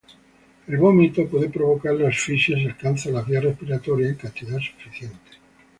El vómito puede provocar la asfixia si alcanza las vías respiratorias en cantidad suficiente.